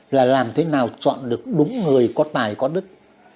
là làm thế nào chọn được đúng người có tài có đức